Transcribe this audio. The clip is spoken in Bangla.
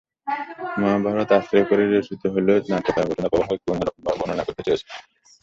মহাভারত আশ্রয় করে রচিত হলেও নাট্যকার ঘটনাপ্রবাহ একটু অন্য রকমভাবে বর্ণনা করতে চেয়েছেন।